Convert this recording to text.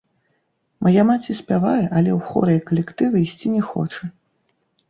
Мая маці спявае, але ў хоры і калектывы ісці не хоча.